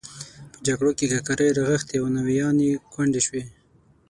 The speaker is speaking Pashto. په جګړو کې ککرۍ رغښتې او ناویانې کونډې شوې.